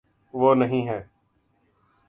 وہ نہیں ہے۔